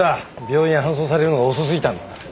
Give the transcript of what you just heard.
病院へ搬送されるのが遅すぎたんだな。